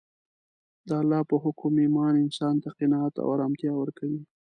د الله په حکم ایمان انسان ته قناعت او ارامتیا ورکوي